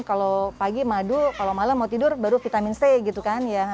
kalau pagi madu kalau malam mau tidur baru vitamin c gitu kan ya